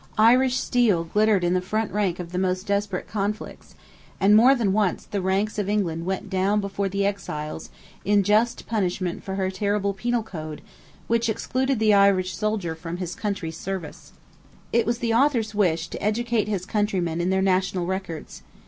Irish steel glittered in the front rank of the most desperate conflicts, and more than once the ranks of England went down before "the Exiles," in just punishment for her terrible penal code which excluded the Irish soldier from his country's service. It was the Author's wish to educate his countrymen in their national records.